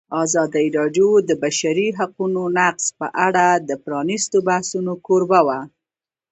ازادي راډیو د د بشري حقونو نقض په اړه د پرانیستو بحثونو کوربه وه.